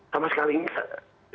sama sekali enggak